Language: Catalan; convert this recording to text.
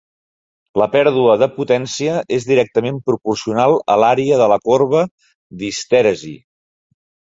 La pèrdua de potència és directament proporcional a l'àrea de la corba d'histèresi.